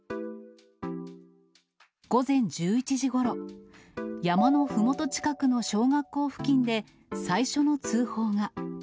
午前１１時ごろ、山のふもと近くの小学校付近で最初の通報が。